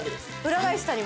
裏返したりも。